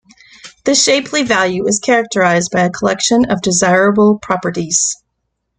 The Shapley value is characterized by a collection of desirable properties.